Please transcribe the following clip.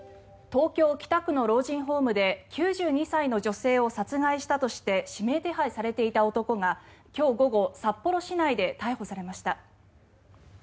東京・北区の老人ホームで９２歳の女性を殺害したとして指名手配されていた男が今日午後、札幌市内で逮捕されました。